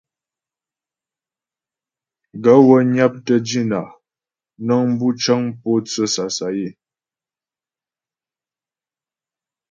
Gaə̂ wə́ nyaptə́ dínà nəŋ bu cəŋ mpótsə́ sasayə́.